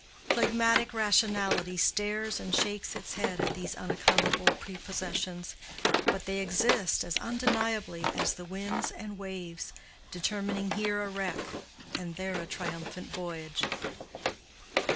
Phlegmatic rationality stares and shakes its head at these unaccountable prepossessions, but they exist as undeniably as the winds and waves, determining here a wreck and there a triumphant voyage.